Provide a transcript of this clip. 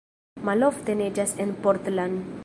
Malofte neĝas en Portland.